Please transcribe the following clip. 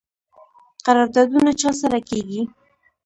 قراردادونه چا سره کیږي؟